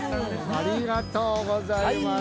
ありがとうございます。